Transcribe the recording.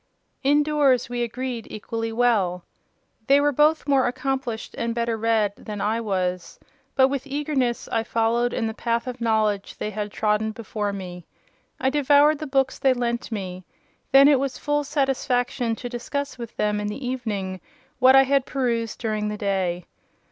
Indoors we agreed equally well. They were both more accomplished and better read than I was; but with eagerness I followed in the path of knowledge they had trodden before me. I devoured the books they lent me: then it was full satisfaction to discuss with them in the evening what I had perused during the day.